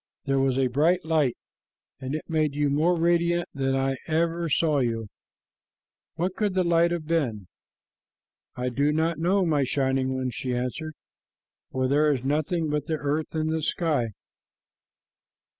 There was a bright light, and it made you more radiant than I ever saw you. What could the light have been?" "I do not know, my Shining One," she answered, "for there is nothing but the earth and the sky."